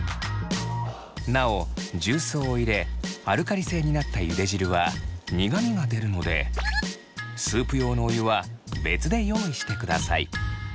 なお重曹を入れアルカリ性になったゆで汁は苦みが出るのでスープ用のお湯は別で用意してください。